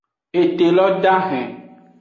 Ete lo dahen.